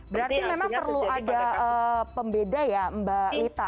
berarti memang perlu ada pembeda ya mbak lita